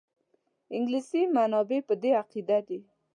انګلیسي منابع په دې عقیده دي.